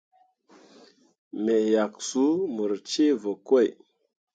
Me yak suu mur ceevǝkoi.